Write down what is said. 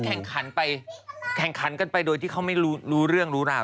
ซึ่งแข่งขันไปไม่รู้เรื่องรู้ราว